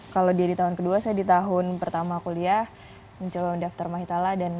kalau dia di tahun kedua saya di tahun pertama kuliah mencoba mendaftar mahitala